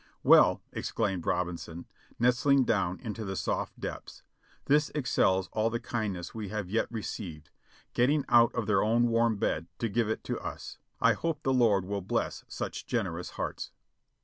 "Well !" exclaimed Robinson, nestling down into the soft depths, "this excels all the kindness we have yet received, get ting out of their own warm bed to give to us. I hope the Lord will bless such generous hearts."